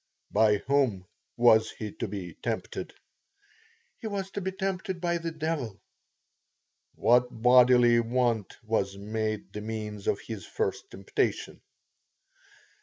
T. By whom was he to be tempted? P. He was to be tempted by the devil. T. What bodily want was made the means of his first temptation?